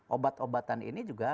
obat obatan ini juga